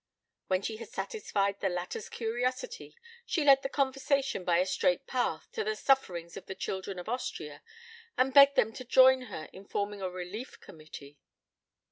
When she had satisfied the latter's curiosity she led the conversation by a straight path to the sufferings of the children of Austria and begged them to join her in forming a relief committee.